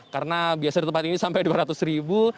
karena biasa di tempat ini sampai dua ratus ribu